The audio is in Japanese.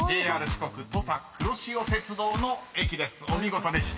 ＪＲ四国土佐くろしお鉄道の駅です。